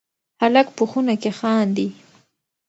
هلک په خونه کې خاندي.